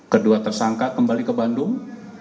kedua tersangka kembali ke bandung